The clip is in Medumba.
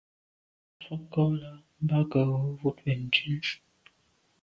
Ngelan ze mfùag ko là mbwôg nke ngù wut ben ndume.